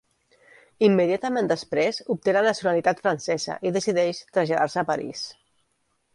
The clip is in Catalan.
Immediatament després, obté la nacionalitat francesa i decideix traslladar-se a París.